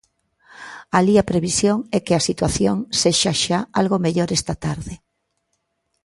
Alí a previsión é que a situación sexa xa algo mellor esta tarde.